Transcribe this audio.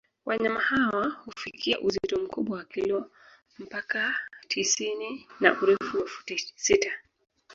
Wanyama hawa hufikia uzito mkubwa wa kilo mpaka tisini na urefu wa futi sita